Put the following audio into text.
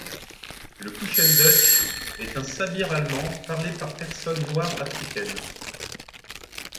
Le Küchendeutsch est un sabir allemand parlé par personnes noires africaines.